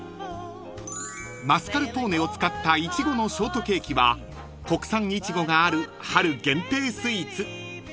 ［マスカルポーネを使ったイチゴのショートケーキは国産イチゴがある春限定スイーツ］